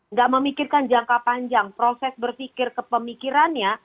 nggak memikirkan jangka panjang proses berpikir kepemikirannya